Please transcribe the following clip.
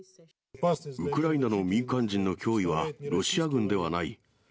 ウクライナの民間人の脅威はロシア軍ではない。